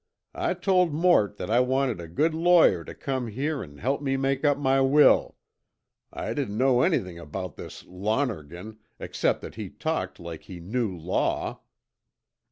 I told Mort that I wanted a good lawyer tuh come here an' help me make up my will. I didn't know anything about this Lonergan, except that he talked like he knew law."